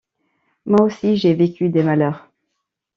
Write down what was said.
Moi aussi, j’ai vécu des malheurs.